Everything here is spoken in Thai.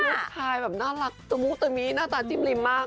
ผู้ชายแบบน่ารักจะมุหรูเป็นนี้หน้าตาจิ้มลิมมาก